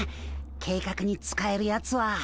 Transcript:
計画に使えるやつは。